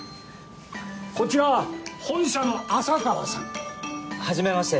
こちら本社の浅川さん。はじめまして。